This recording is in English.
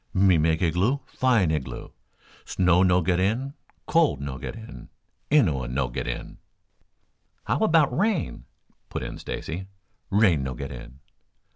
"Me make Ighloo, fine Ighloo. Snow no get in, cold no get in, Innua no get in." "How about rain?" put in Stacy. "Rain no get in."